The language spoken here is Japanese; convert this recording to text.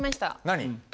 何？